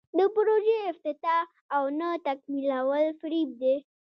د پروژو افتتاح او نه تکمیلول فریب دی.